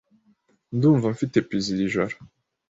Ndumva mfite pizza iri joro.